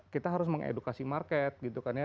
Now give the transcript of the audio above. kita harus mengedukasi market gitu kan ya